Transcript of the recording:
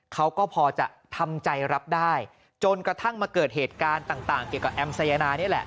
เขาก็พอจะทำใจรับได้จนกระทั่งมาเกิดเหตุการณ์ต่างเกี่ยวกับแอมสายนานี่แหละ